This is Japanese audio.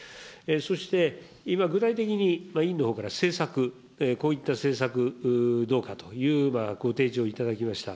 そして、今具体的に委員のほうから政策、こういった政策どうかというご提示をいただきました。